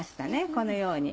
このように。